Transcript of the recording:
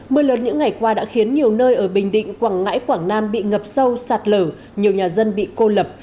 mưa lớn những ngày qua đã khiến nhiều nơi ở bình định quảng ngãi quảng nam bị ngập sâu sạt lở nhiều nhà dân bị cô lập